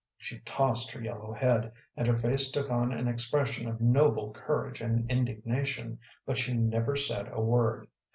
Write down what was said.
She tossed her yellow head, and her face took on an expression of noble courage and indignation, but she never said a word.